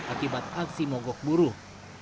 akibat aksi monggo buruh